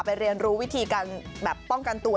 เรียนรู้วิธีการแบบป้องกันตัว